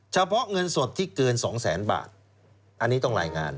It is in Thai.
เฉพาะเงินสดที่เกินสองแสนบาทอันนี้ต้องรายงาน